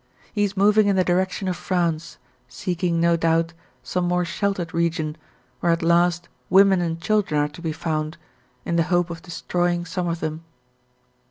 He is moving in the direction of France, seeking, no doubt, some more sheltered region, where at last women and children are to be found, in the hope of destroying some of them.